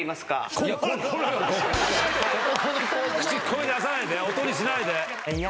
声に出さないで音にしないで。